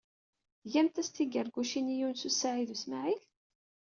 Tgamt-as-d tigargucin i Yunes u Saɛid u Smaɛil.